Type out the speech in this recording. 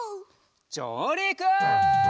じょうりく！